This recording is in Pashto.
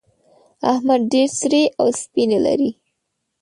احمد ډېر سرې او سپينې لري.